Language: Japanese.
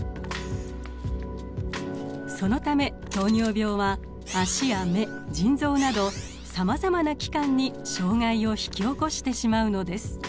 そのため糖尿病は足や目腎臓などさまざまな器官に障害を引き起こしてしまうのです。